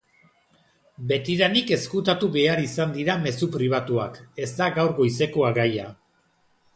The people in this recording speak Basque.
Betidanik ezkutatu behar izan dira mezu pribatuak, ez da gaur goizeko gaia.